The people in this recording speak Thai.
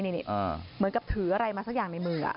เหมือนกับถืออะไรมาสักอย่างในมือ